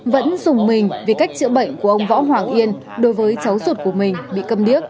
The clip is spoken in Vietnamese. vẫn dùng mình vì cách chữa bệnh của ông võ hoàng yên đối với cháu ruột của mình bị cầm điếc